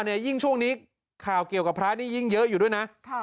ก็มาให้หยิงช่วงนี้ข่าวเกี่ยวกับพระนี้ยิ่งเยอะด้วยนะค่ะ